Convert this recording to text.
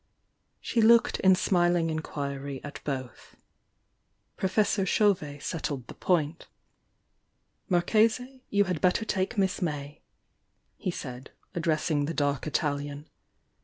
She looked in smiling inquiry at both. Pro fessor Chauvet settled the point. "Marchese, you had better take Miss May," he said, addressing the dark Italian.